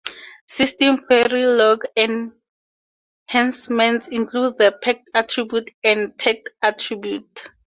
SystemVerilog enhancements include the packed attribute and the tagged attribute.